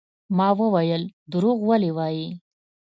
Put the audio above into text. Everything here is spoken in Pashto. ما وويل دروغ ولې وايې.